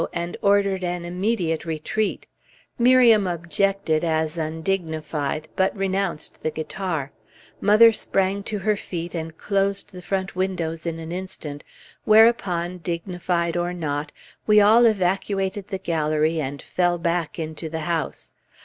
and ordered an immediate retreat; Miriam objected, as undignified, but renounced the guitar; mother sprang to her feet, and closed the front windows in an instant, whereupon, dignified or not, we all evacuated the gallery and fell back into the house.